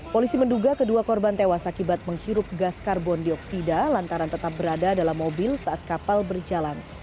polisi menduga kedua korban tewas akibat menghirup gas karbon dioksida lantaran tetap berada dalam mobil saat kapal berjalan